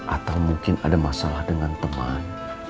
atau mungkin ada masalah dengan teman